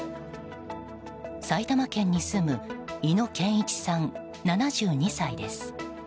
埼玉県に住む猪野憲一さん、７２歳です。